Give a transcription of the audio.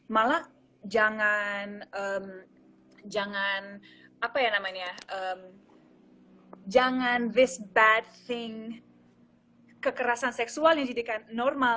malah jangan jangan apa ya namanya jangan this bad thing kekerasan seksual yang dijadikan normal